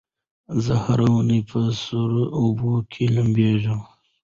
زه هره اونۍ په سړو اوبو کې لمبېږم.